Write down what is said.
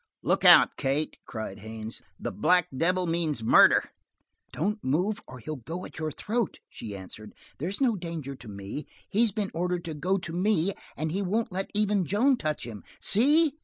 "Look out, Kate!" cried Haines. "The black devil means murder." "Don't move, or he'll go at your throat," she answered. "There's no danger to me. He's been ordered to go to me and he won't let even Joan touch him. See!"